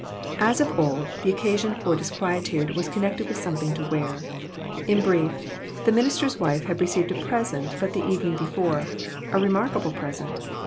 * As of old, the occasion for disquietude was connected with something to wear. In brief, the minister's wife had received a present but the evening before a remarkable present.